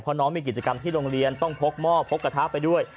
เพราะน้องมีกิจกรรมที่โรงเรียนต้องพกหม้อพกกระทะไปด้วย